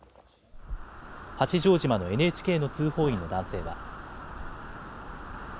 八丈島のＮＨＫの通報員の男性は。